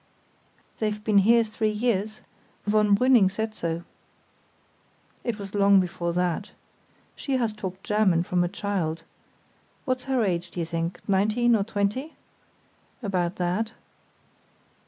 "They've been here three years; von Brüning said so." "It was long before that. She has talked German from a child. What's her age, do you think—nineteen or twenty?" "About that."